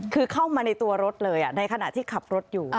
คือเข้ามาในตัวรถเลยในขณะที่ขับรถอยู่